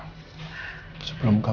mulia sekali mungkin